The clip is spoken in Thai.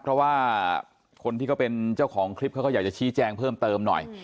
เพราะว่าคนที่เขาเป็นเจ้าของคลิปเขาก็อยากจะชี้แจงเพิ่มเติมหน่อย